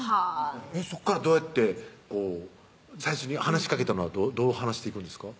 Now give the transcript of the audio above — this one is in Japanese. そこからどうやってこう最初に話しかけたのはどう話していくんですか？